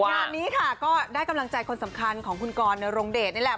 งานนี้ค่ะก็ได้กำลังใจคนสำคัญของคุณกรนรงเดชนี่แหละ